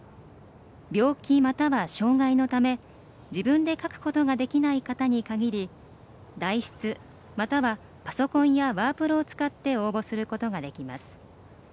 病気、または障害のため自分で書くことができない方に限り代筆、またはパソコンやワープロを使って応募することができます。